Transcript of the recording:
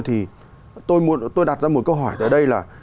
thì tôi đặt ra một câu hỏi tại đây là